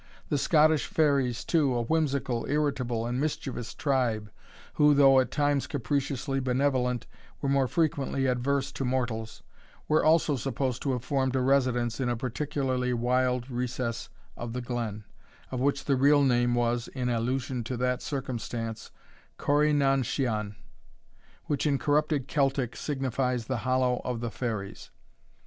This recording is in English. The Scottish fairies, too, a whimsical, irritable, and mischievous tribe, who, though at times capriciously benevolent, were more frequently adverse to mortals, were also supposed to have formed a residence in a particularly wild recess of the glen, of which the real name was, in allusion to that circumstance, Corrie nan Shian, which, in corrupted Celtic, signifies the Hollow of the Fairies.